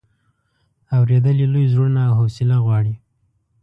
اورېدل یې لوی زړونه او حوصله غواړي.